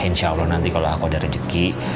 insya allah nanti kalau aku ada rezeki